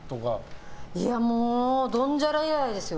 もうドンジャラ以来ですよ。